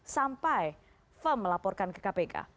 sampai firm melaporkan ke kpk